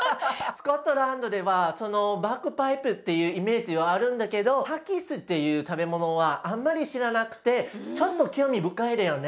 スコットランドではバグパイプっていうイメージはあるんだけどハギスっていう食べ物はあんまり知らなくてちょっと興味深いだよね。